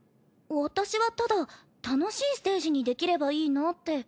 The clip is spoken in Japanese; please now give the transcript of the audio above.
私はただ楽しいステージにできればいいなって。